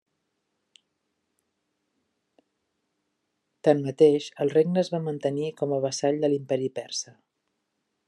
Tanmateix, el regne es va mantenir com a vassall de l'Imperi persa.